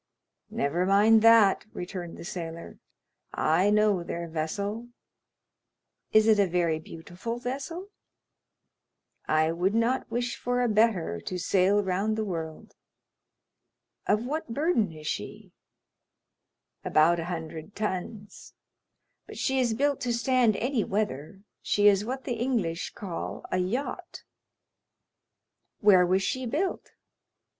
"Never mind that," returned the sailor, "I know their vessel." "Is it a very beautiful vessel?" "I would not wish for a better to sail round the world." "Of what burden is she?" "About a hundred tons; but she is built to stand any weather. She is what the English call a yacht." "Where was she built?"